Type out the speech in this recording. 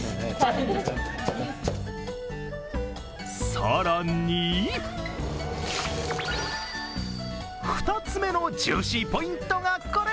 更に、２つ目のジューシーポイントがこれ。